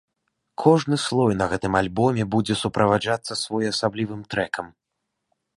Кожны слой на гэтым альбоме будзе суправаджацца своеасаблівым трэкам.